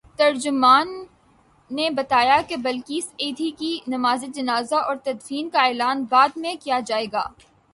ترجمان نے بتایا کہ بلقیس ایدھی کی نمازجنازہ اورتدفین کا اعلان بعد میں کیا جائے گا۔